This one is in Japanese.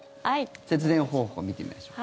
節電方法、見てみましょう。